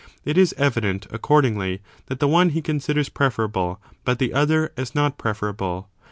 It is evident, accordingly, that the one he considers preferable, but the other as not preferable.